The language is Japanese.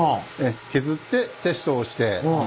削ってテストをして。